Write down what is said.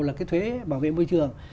là cái thuế bảo vệ môi trường